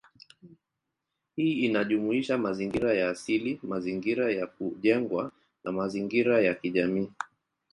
Hii inajumuisha mazingira ya asili, mazingira ya kujengwa, na mazingira ya kijamii.